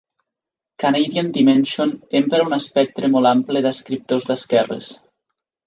"Canadian Dimension" empra un espectre molt ample d'escriptors d'esquerres.